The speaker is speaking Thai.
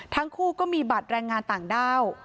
ทั้งคู่ก็มีบัตรแรงงานต่างด้าว